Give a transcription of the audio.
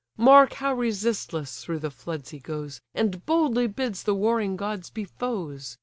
Mark how resistless through the floods he goes, And boldly bids the warring gods be foes!